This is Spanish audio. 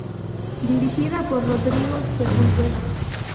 Dirigida por Rodrigo Sepúlveda.